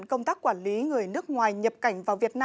công tác quản lý người nước ngoài nhập cảnh vào việt nam